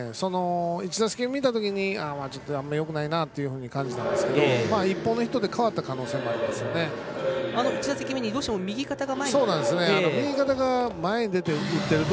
１打席目を見たときにあまりよくないなと感じたんですけれども、１本のヒットで１打席目にどうしても右肩が前に出ていると。